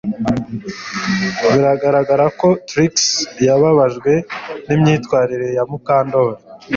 Biragaragara ko Trix yababajwe nimyitwarire ya Mukandoli